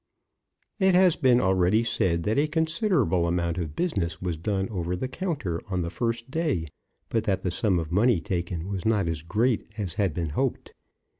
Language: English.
It has been already said that a considerable amount of business was done over the counter on the first day, but that the sum of money taken was not as great as had been hoped.